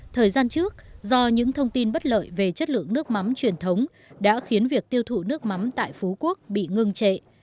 thời gian trước do những thông tin bất lợi về chất lượng nước mắm truyền thống đã khiến việc tiêu thụ nước mắm tại phú quốc bị ngưng trệ